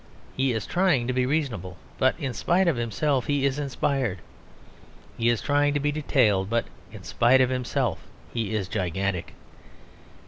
He is trying to be reasonable; but in spite of himself he is inspired. He is trying to be detailed, but in spite of himself he is gigantic.